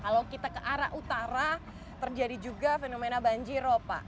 kalau kita ke arah utara terjadi juga fenomena banjir ya pak